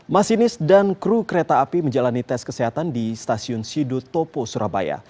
masinis dan kru kereta api menjalani tes kesehatan di stasiun sido topo surabaya